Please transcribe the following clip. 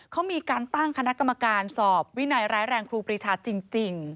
เขามีการตั้งคณะกรรมการสอบวินัยร้ายแรงครูปรีชาจริง